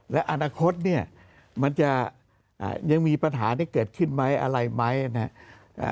และอนาคตเนี่ยมันจะยังมีปัญหานี้เกิดขึ้นไหมอะไรไหมนะครับ